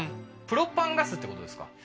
プロパンガスってことですか？